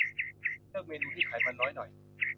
เลือกเมนูที่ไขมันน้อยหน่อย